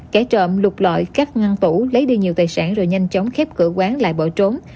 kẻ trộm lục lợi cắt ngăn tủ lấy đi nhiều tài sản rồi nhanh chóng khép cửa quán lại bỏ trốn